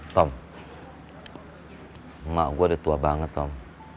tom emak gua detua banget tom